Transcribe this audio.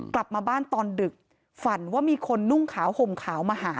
กลับมาบ้านตอนดึกฝันว่ามีคนนุ่งขาวห่มขาวมาหา